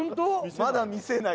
まだ見せない。